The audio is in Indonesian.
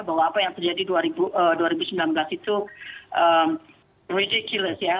bahwa apa yang terjadi dua ribu sembilan belas itu regi kilas ya